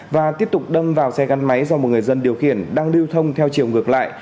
và tiếp tục đâm vào xe gắn máy do một người dân điều khiển đang lưu thông theo chiều ngược lại